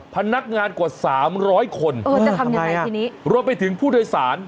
พนักงานกว่า๓๐๐คนจะทำยังไงทีนี้รวมไปถึงผู้โดยสาร